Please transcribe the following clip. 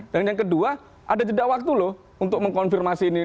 dan yang kedua ada jeda waktu loh untuk mengkonfirmasi ini